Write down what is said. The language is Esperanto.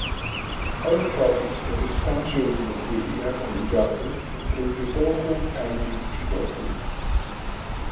Oni trovis restaĵojn de iama loĝado en Bronzepoko kaj de visigotoj.